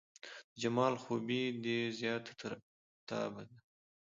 د جمال خوبي دې زياته تر افتاب ده